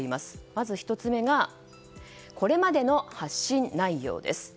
まず１つ目がこれまでの発信内容です。